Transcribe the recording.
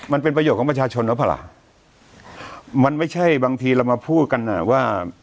มันเป็นประโยชน์ของประชาชนหรือเปล่าล่ะมันไม่ใช่บางทีเรามาพูดกันอ่ะว่า